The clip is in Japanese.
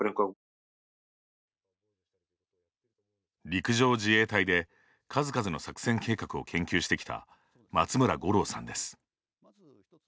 陸上自衛隊で数々の作戦計画を研究してきた松村五郎さんです。